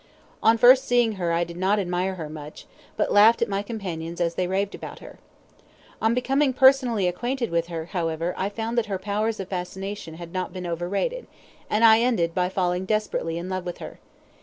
On first seeing her I did not admire her much, but laughed at my companions as they raved about her. On becoming personally acquainted with her, however, I found that her powers of fascination had not been over rated, and I ended by falling desperately in love with her.